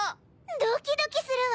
ドキドキするわ！